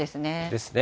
ですね。